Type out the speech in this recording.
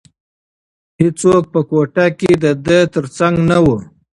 هیڅوک په کوټه کې د ده تر څنګ نه وو.